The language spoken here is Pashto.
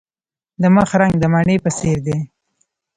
د مخ رنګ د مڼې په څیر دی.